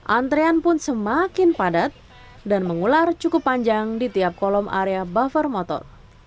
antrean pun semakin padat dan mengular cukup panjang di tiap kolom area buffer motor